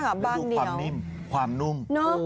ดูความนิ่มความนุ่ม